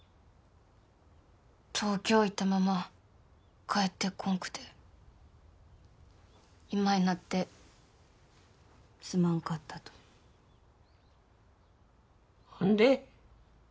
東京行ったまま帰ってこんくて今になってすまんかったとほんで？